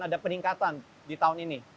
ada peningkatan di tahun ini